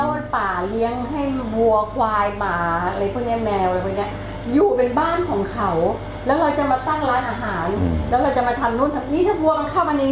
และป่าเลี้ยงให้หัวควายหวาหมาอะไรแบบเงี้๊ยแมววันนี้